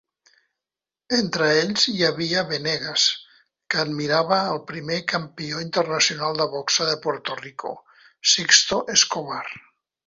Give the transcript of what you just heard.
Entre ells hi havia Venegas, que admirava el primer campió internacional de boxa de Puerto Rico, Sixto Escobar.